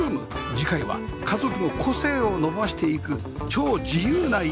次回は家族の個性を伸ばしていく超自由な家